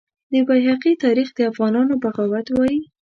د بیهقي تاریخ د افغانانو بغاوت وایي.